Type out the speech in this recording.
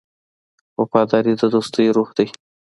وفاداري د دوستۍ روح دی.